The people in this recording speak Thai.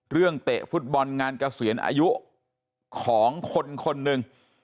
เรื่องเตะฟุตบอลงานเกษียณอายุของคนหนึ่ง